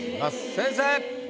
先生！